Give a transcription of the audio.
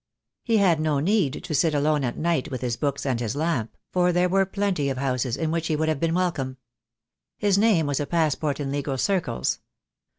He had no need to sit alone at night with his books and his lamp, for there were plenty of houses in which he would have been welcome. His name was a passport in legal circles.